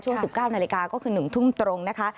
๑๙นาฬิกาก็คือ๑ทุ่มตรงนะคะ